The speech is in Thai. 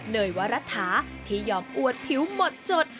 เนยวรัฐาที่ยอมอวดผิวหมดจด